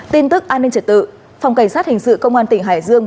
tin tức an ninh trật tự phòng cảnh sát hình sự công an tỉnh hải dương